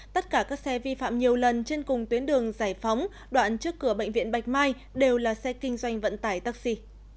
tất cả các xe vi phạm nhiều lần trên cùng tuyến đường giải phóng đoạn trước cửa bệnh viện bạch mai đều là xe kinh doanh vận tải taxi